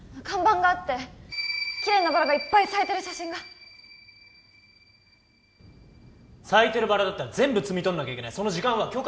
看板があってキレイなバラがいっぱい咲いてる写真が咲いてるバラだったら全部摘み取んなきゃいけないその時間は？